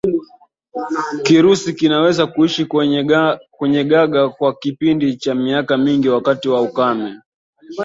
Kirusi kinaweza kuishi kwenye gaga kwa kipindi cha miaka mingi wakati wa ukame